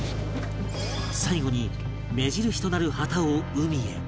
最後に目印となる旗を海へ